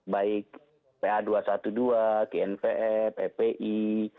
baik pa dua ratus dua belas gnve ppi